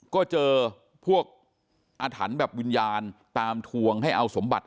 ก็เจอพวกอาถรรพ์แบบวิญญาณตามทวงให้เอาสมบัติ